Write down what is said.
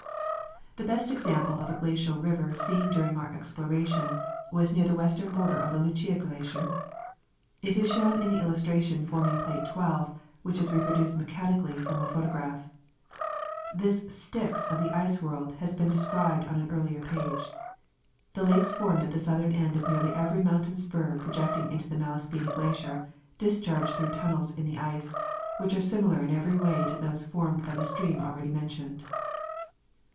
The best example of a glacial river seen during our explora tion was near the western border of the Lucia glacier. It is shown in the illustration forming plate 12, which is reproduced mechanically from a photograph. This Styx of the ice world has been described on an earlier page. The lakes formed at the southern end of nearly every mountain spur projecting into the Malaspina glacier discharge through tunnels in the ice, which are similar in every way to those formed by the stream already mentioned.